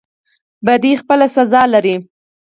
بدی خپل سزا لري